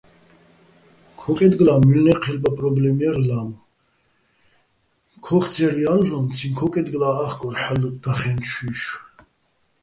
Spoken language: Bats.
ქო́კეჲდგლა́ მუჲლნე́ჴელბა პრო́ბლემ ჲარ ლა́მუ, ქოხ ცერ ჲა́ჴლო́მციჼ ქო́კეჲდგლა́ ა́ხკორ ჰ̦ალო̆ დახენჩუჲშვ.